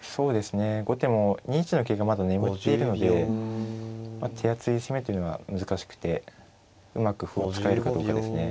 後手も２一の桂がまだ眠っているので手厚い攻めというのは難しくてうまく歩を使えるかどうかですね。